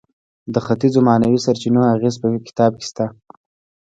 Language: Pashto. د ختیځو معنوي سرچینو اغیز په کتاب کې شته.